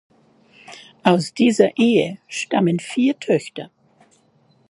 Aus dieser Ehe stammen vier Töchter.